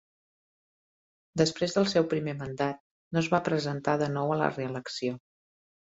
Després del seu primer mandat, no es va presentar de nou a la reelecció.